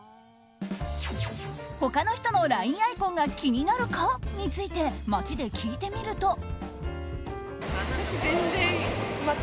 他の人のＬＩＮＥアイコンが気になるかについて街で聞いてみると。